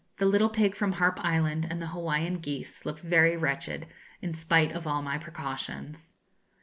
The little pig from Harpe Island, and the Hawaiian geese, look very wretched, in spite of all my precautions.